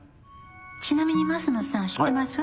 ちなみに升野さん知ってます？